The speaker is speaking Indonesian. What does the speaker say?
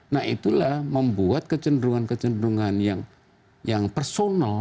nah itulah membuat kecenderungan kecenderungan yang personal